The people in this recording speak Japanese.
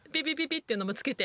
ッていうのもつけて」。